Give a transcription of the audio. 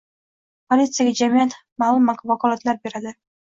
Politsiyaga jamiyat maʼlum vakolatlar beradi